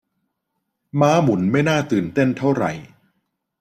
ม้าหมุนไม่น่าตื่นเต้นเท่าไหร่